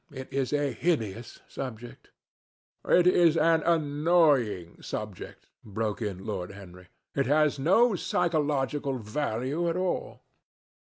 It is a hideous subject." "It is an annoying subject," broke in Lord Henry. "It has no psychological value at all.